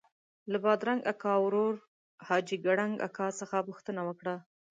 له بادرنګ اکا ورور حاجي کړنګ اکا څخه پوښتنه وکړه.